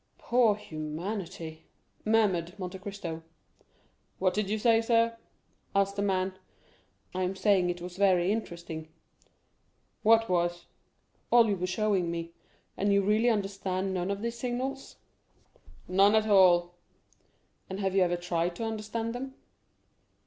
"Poor humanity!" murmured Monte Cristo. "What did you say, sir?" asked the man. "I was saying it was very interesting." "What was?" "All you were showing me. And you really understand none of these signals?" "None at all." "And have you never tried to understand them?"